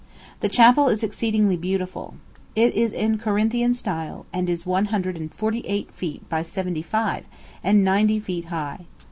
The chapel is exceedingly beautiful. It is in Corinthian style, and is one hundred and forty eight feet by seventy five, and ninety feet high.